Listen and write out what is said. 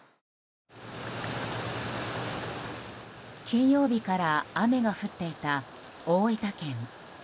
金曜日から雨が降っていた大分県。